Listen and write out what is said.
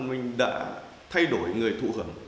đỗ văn minh đã thay đổi người thụ hưởng